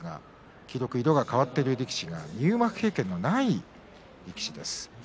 黄色く色が変わっている力士は入幕経験のない力士です。